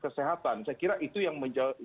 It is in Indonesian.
kesehatan saya kira itu yang